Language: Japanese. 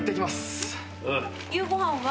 夕ご飯は？